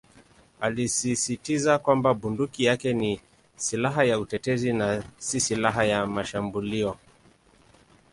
Alisisitiza kwamba bunduki yake ni "silaha ya utetezi" na "si silaha ya mashambulio".